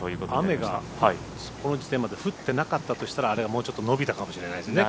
雨がこの時点で降ってなかったとしたらあれがもうちょっと伸びたかもしれないですね。